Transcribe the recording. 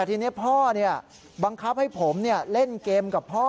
ทีนี้พ่อเนี่ยบังคับให้ผมเนี่ยเล่นเกมกับพ่อ